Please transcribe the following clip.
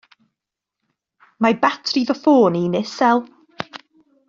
Mae batri fy ffôn i'n isel.